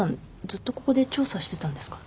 ずっとここで調査してたんですか？